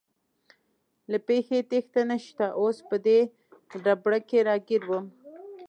له پېښې تېښته نشته، اوس په دې ربړه کې راګیر ووم.